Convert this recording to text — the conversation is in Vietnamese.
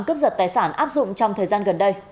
cướp giật tài sản áp dụng trong thời gian gần đây